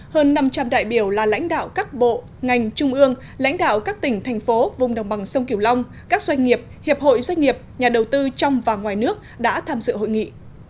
hơn năm trăm linh đại biểu là lãnh đạo các bộ ngành trung ương lãnh đạo các tỉnh thành phố vùng đồng bằng sông kiều long các doanh nghiệp hiệp hội doanh nghiệp nhà đầu tư trong và ngoài nước đã tham dự hội nghị